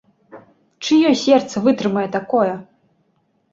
Чыё сэрца вытрымае такое?